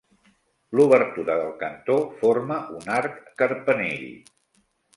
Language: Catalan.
L'obertura del cantó forma un arc carpanell.